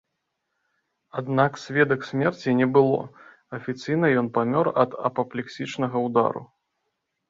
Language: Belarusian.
Аднак, сведак смерці не было, афіцыйна ён памёр ад апаплексічнага ўдару.